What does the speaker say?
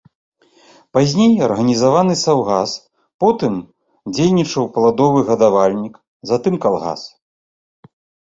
Пазней арганізаваны саўгас, потым дзейнічаў пладовы гадавальнік, затым калгас.